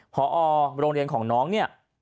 พอโรงเรียนของน้องเนี่ย